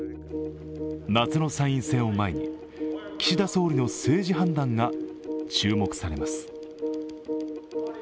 夏の参院選を前に、岸田総理の政治判断が注目されます。